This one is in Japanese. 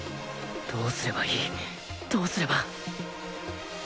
どうすればいいどうすれば